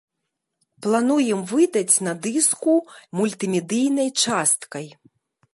Плануем выдаць на дыску мультымедыйнай часткай.